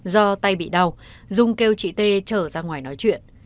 do tay bị đau dung kêu chị t trở ra ngoài nói chuyện